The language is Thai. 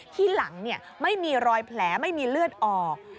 ที่หลังไม่มีรอยแผลไม่มีเลือดออก